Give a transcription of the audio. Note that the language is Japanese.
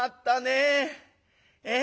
ええ？